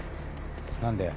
何で？